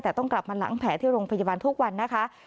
แต่ต้องกลับมาหลังแผลที่โรงพยาบาลทุกวันนะคะ